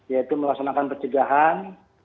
yaitu melaksanakan pencegahan